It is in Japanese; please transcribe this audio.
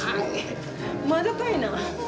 まだかいな？